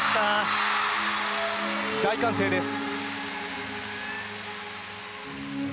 大歓声です。